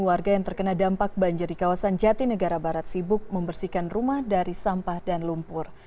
warga yang terkena dampak banjir di kawasan jatinegara barat sibuk membersihkan rumah dari sampah dan lumpur